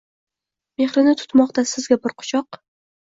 Mehrini tutmoqda sizga bir quchoq.